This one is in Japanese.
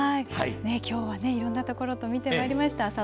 きょうは、いろんなところと見てまいりました。